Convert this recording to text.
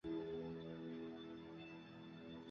下载期限